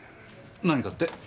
何かって？